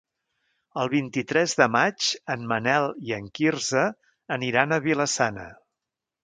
El vint-i-tres de maig en Manel i en Quirze aniran a Vila-sana.